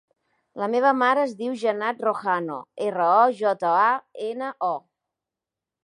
La meva mare es diu Janat Rojano: erra, o, jota, a, ena, o.